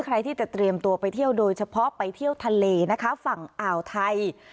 ใครที่จะเตรียมตัวไปเที่ยวโดยเฉพาะไปเที่ยวทะเลนะคะฝั่งอ่าวไทย